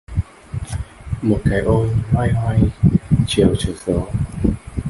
Một cái ôm loay hoay chiều trở gió